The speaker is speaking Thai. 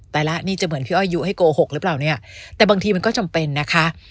แต่ละนี่จะเหมือนพี่อ้อยยุให้โกหกหรือเปล่าเนี่ยแต่บางทีมันก็จำเป็นนะคะ